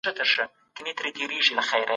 هغه یرغمل شوي کسانو ته درناوی کاوه.